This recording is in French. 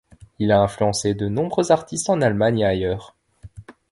Il a influencé de nombreux artistes en Allemagne et ailleurs.